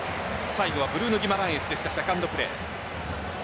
最後はブルーノ・ギマランイスでしたセカンドプレー。